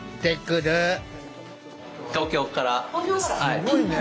すごいね。